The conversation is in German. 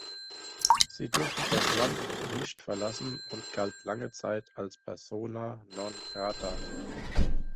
Sie durfte das Land nicht verlassen und galt lange Zeit als Persona non grata.